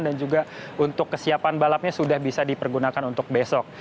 juga untuk kesiapan balapnya sudah bisa dipergunakan untuk besok